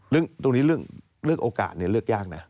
เรื่องตรงนี้เรื่องเลือกโอกาสเนี่ยเลือกยากนะ